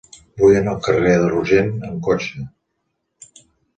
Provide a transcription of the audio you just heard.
Vull anar al carrer de Rogent amb cotxe.